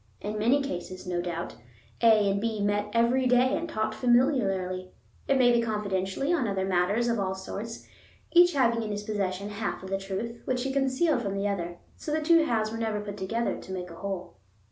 In many cases, no doubt, A and B met every day and talked familiarly, it may be confidentially, on other matters of all sorts, each having in his possession half of the truth, which he concealed from the other. So the two halves were never put together to make a whole.